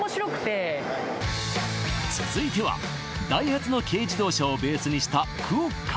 続いてはダイハツの軽自動車をベースにしたクオッカ